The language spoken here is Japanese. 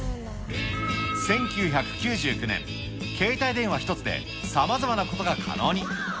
１９９９年、携帯電話１つでさまざまなことが可能に。